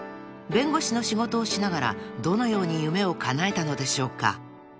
［弁護士の仕事をしながらどのように夢をかなえたのでしょうか？］